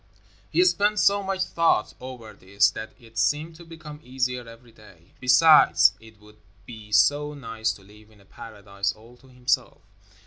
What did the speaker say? He spent so much thought over this that it seemed to become easier each day. Besides, it would be so nice to live in a paradise all to himself.